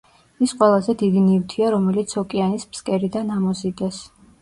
ის ყველაზე დიდი ნივთია, რომელიც ოკეანის ფსკერიდან ამოზიდეს.